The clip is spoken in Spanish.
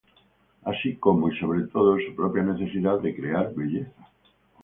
Así como, y, sobre todo, su propia necesidad de crear belleza.